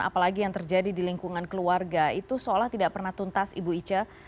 apalagi yang terjadi di lingkungan keluarga itu seolah tidak pernah tuntas ibu ica